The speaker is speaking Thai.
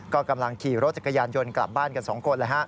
ก็กำลังขี่รถจักรยานยนต์กลับบ้านกัน๒คน